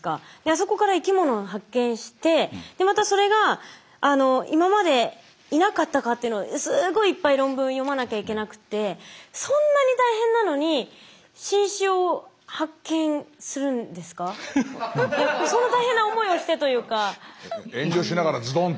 あそこから生きものを発見してでまたそれが今までいなかったかっていうのをすごいいっぱい論文読まなきゃいけなくてそんな大変な思いをしてというか。